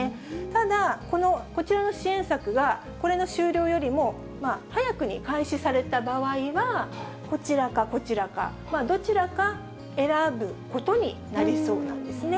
ただ、こちらの支援策はこれの終了よりも早くに開始された場合は、こちらかこちらか、どちらか選ぶことになりそうなんですね。